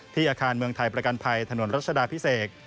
อาคารเมืองไทยประกันภัยถนนรัชดาพิเศษ